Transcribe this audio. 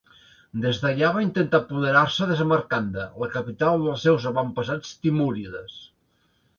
Des d'allà va intentar apoderar-se de Samarcanda, la capital dels seus avantpassats timúrides.